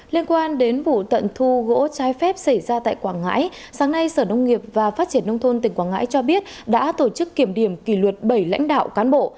liên quan đến vụ tận thu gỗ trái phép xảy ra tại quảng ngãi sáng nay sở nông nghiệp và phát triển nông thôn tỉnh quảng ngãi cho biết đã tổ chức kiểm điểm kỷ luật bảy lãnh đạo cán bộ